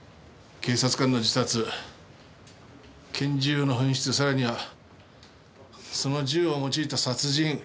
警察官の自殺拳銃の紛失さらにはその銃を用いた殺人。